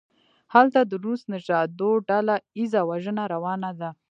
هلته د روس نژادو ډله ایزه وژنه روانه ده.